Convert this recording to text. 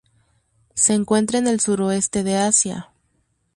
Se encuentra en el Suroeste de Asia.